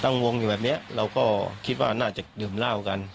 ตั้งวงอยู่แบบนี้เราก็คิดว่าน่าจะดื่มเหล้ากัน